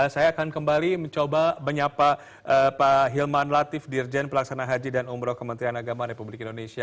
saya akan kembali mencoba menyapa pak hilman latif dirjen pelaksana haji dan umroh kementerian agama republik indonesia